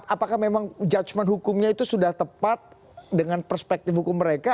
apakah memang judgement hukumnya itu sudah tepat dengan perspektif hukum mereka